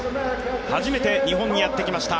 初めて日本にやってきました。